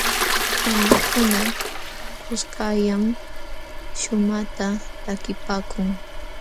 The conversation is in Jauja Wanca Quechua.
Wamlakuna kuskallam shumaqta takipaakun.